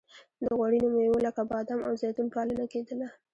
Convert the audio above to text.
د غوړینو میوو لکه بادام او زیتون پالنه کیدله.